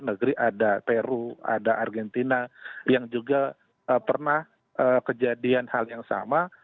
negeri ada peru ada argentina yang juga pernah kejadian hal yang sama